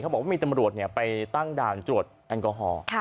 บอกว่ามีตำรวจไปตั้งด่านตรวจแอลกอฮอล์